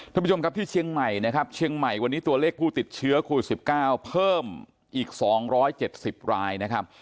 ท่านผู้ชมครับที่เชียงใหม่นะครับเชียงใหม่วันนี้ตัวเลขผู้ติดเชื้อโควิด๑๙เพิ่มอีก๒๗๐รายนะครับ